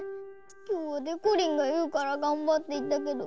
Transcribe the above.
きょうはでこりんがいうからがんばっていったけど。